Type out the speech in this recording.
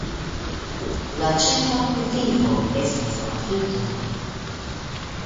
La ĉefa kultivo estas la vito.